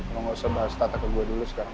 lo gak usah bahas tata ke gue dulu sekarang